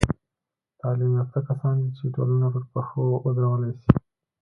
تعلیم یافته کسان دي، چي ټولنه پر پښو درولاى سي.